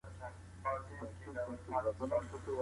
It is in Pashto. موسیقۍ د هیوادونو ترمنځ واټن کم کړی و.